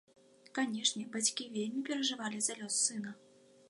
Канешне, бацькі вельмі перажывалі за лёс сына.